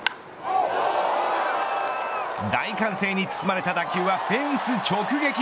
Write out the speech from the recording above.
大歓声に包まれた打球はフェンス直撃。